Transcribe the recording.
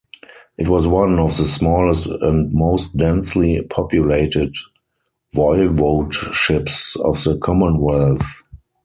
It was one of the smallest and most densely populated voivodeships of the Commonwealth.